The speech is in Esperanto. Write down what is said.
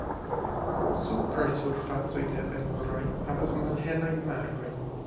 Supraj surfacoj de femuroj havas malhelajn markojn.